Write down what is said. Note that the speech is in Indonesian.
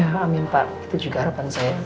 amin pak itu juga harapan saya